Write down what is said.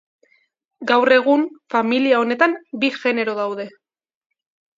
Gaur egun familia honetan bi genero daude.